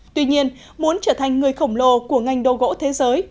tuy nhiên muốn trở thành người khổng lồ của ngành đồ gỗ thế giới